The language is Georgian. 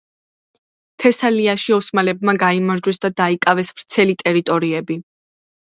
თესალიაში ოსმალებმა გაიმარჯვეს და დაიკავეს ვრცელი ტერიტორიები.